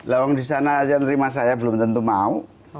kalau di sana aja nerima saya belum tentu mau